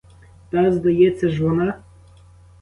Та, здається ж, вона?